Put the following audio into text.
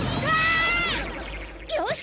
よし！